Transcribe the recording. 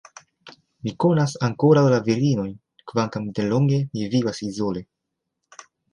Mi konas ankoraŭ la virinojn, kvankam delonge mi vivas izole.